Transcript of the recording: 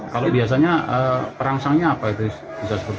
kalau biasanya perangsangnya apa itu